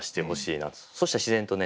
そしたら自然とね